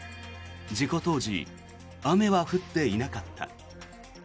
事故当時雨は降っていなかった。